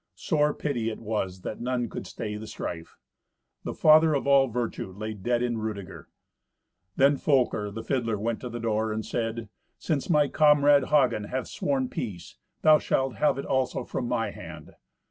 Sore pity it was that none could stay the strife. The father of all virtue lay dead in Rudeger. Then Folker the fiddler went to the door and said, "Since my comrade Hagen hath sworn peace, thou shalt have it also from my hand.